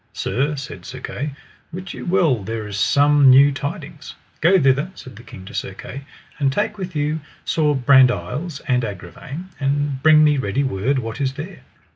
Sir, said Sir Kay, wit you well there is some new tidings. Go thither, said the king to Sir Kay, and take with you Sir Brandiles and Agravaine, and bring me ready word what is there.